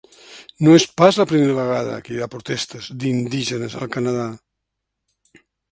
No és pas la primera vegada que hi ha protestes d’indígenes al Canadà.